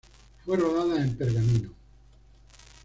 Fue rodada en Pergamino.